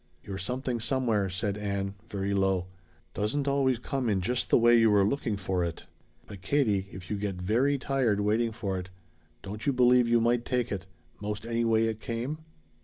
"Your Something Somewhere," said Ann, very low, "doesn't always come in just the way you were looking for it. But, Katie, if you get very tired waiting for it don't you believe you might take it most any way it came?"